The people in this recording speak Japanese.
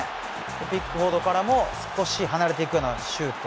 ピックフォードからも少し離れていくようなシュート。